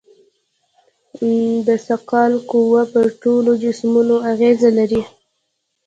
د ثقل قوه پر ټولو جسمونو اغېز لري.